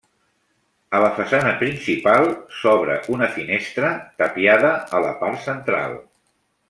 A la façana principal s'obre una finestra, tapiada, a la part central.